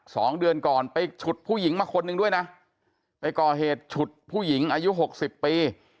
สองเดือนก่อนไปฉุดผู้หญิงมาคนหนึ่งด้วยนะไปก่อเหตุฉุดผู้หญิงอายุหกสิบปี